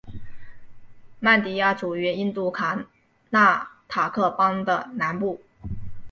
曼迪亚处于印度卡纳塔克邦的南部。